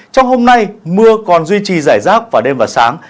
trong hôm nay mưa còn duy trì giải rác vào đêm và sáng